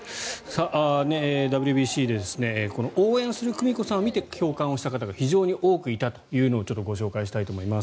ＷＢＣで応援する久美子さんを見て共感をした方が非常に多くいたというのをご紹介したいと思います。